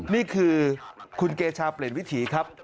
นี่คือคุณเกชาเปลี่ยนวิถีครับ